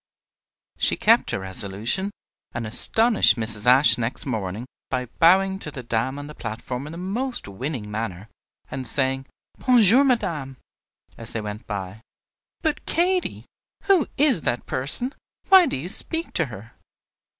She kept her resolution, and astonished Mrs. Ashe next morning, by bowing to the dame on the platform in the most winning manner, and saying, "Bon jour, madame," as they went by. "But, Katy, who is that person? Why do you speak to her?"